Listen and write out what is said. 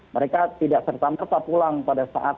mereka tidak serta merta pulang pada saat